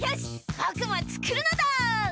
ぼくもつくるのだ！